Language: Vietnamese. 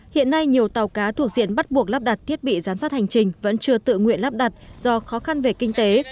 hiện nay nhiều tàu cá thuộc diện bắt buộc lắp đặt thiết bị giám sát hành trình vẫn chưa tự nguyện lắp đặt do khó khăn về kinh tế